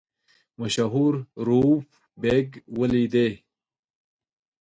مشهور رووف بېګ ولیدی.